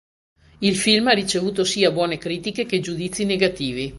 Il film ha ricevuto sia buone critiche che giudizi negativi.